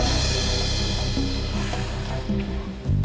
ayo silakan duduk